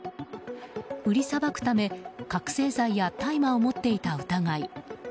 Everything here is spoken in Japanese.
売りさばくため覚醒剤や大麻を持っていた疑い。